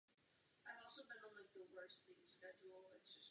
Dále obývá také Island a severní Afriku.